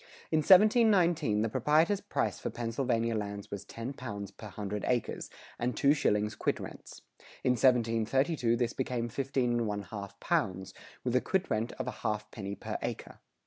[100:4] In 1719 the proprietor's price for Pennsylvania lands was ten pounds per hundred acres, and two shillings quit rents. In 1732 this became fifteen and one half pounds, with a quit rent of a half penny per acre.